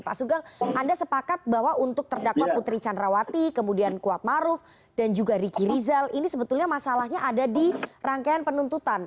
pak sugeng anda sepakat bahwa untuk terdakwa putri candrawati kemudian kuat maruf dan juga riki rizal ini sebetulnya masalahnya ada di rangkaian penuntutan